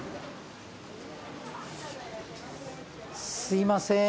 すいません。